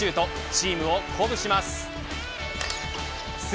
チームを鼓舞します。